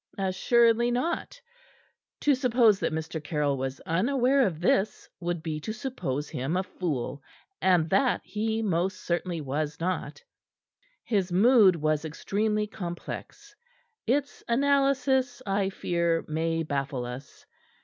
Assuredly not. To suppose that Mr. Caryll was unaware of this, would be to suppose him a fool, and that he most certainly was not. His mood was extremely complex; its analysis, I fear, may baffle us.